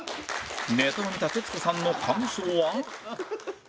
ネタを見た徹子さんの感想は？